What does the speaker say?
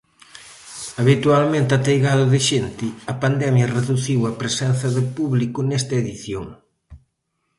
Habitualmente ateigado de xente, a pandemia reduciu a presenza de público nesta edición.